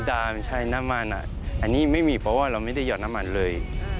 อันนี้ไม่มีเพราะว่าเราไม่ได้หยอดน้ำมันเลย